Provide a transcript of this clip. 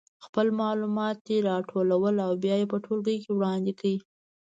خپل معلومات دې راټول او بیا یې په ټولګي کې وړاندې کړي.